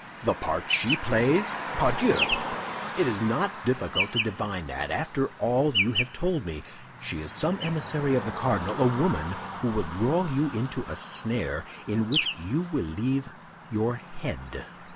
"The part she plays, pardieu! It is not difficult to divine that, after all you have told me. She is some emissary of the cardinal; a woman who will draw you into a snare in which you will leave your head."